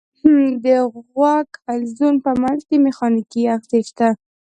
د غوږ حلزون په منځ کې مېخانیکي آخذې شته.